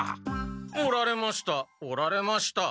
おられましたおられました。